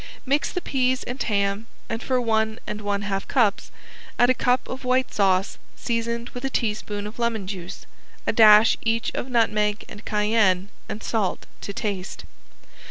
Mix the peas and ham and for one and one half cups add a cup of white sauce seasoned with a teaspoon of lemon juice, a dash each of nutmeg and cayenne and salt to taste.